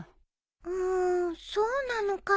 うんそうなのかなあ